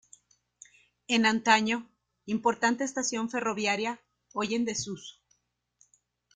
En antaño, importante estación ferroviaria, hoy en desuso.